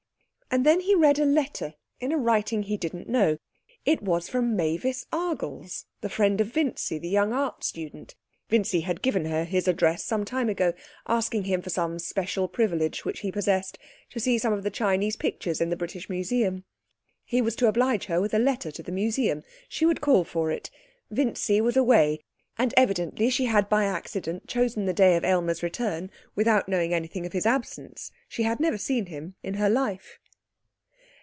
And then he read a letter in a writing he didn't know; it was from Mavis Argles, the friend of Vincy the young art student: Vincy had given her his address some time ago asking him for some special privilege which he possessed, to see some of the Chinese pictures in the British Museum. He was to oblige her with a letter to the museum. She would call for it. Vincy was away, and evidently she had by accident chosen the day of Aylmer's return without knowing anything of his absence. She had never seen him in her life.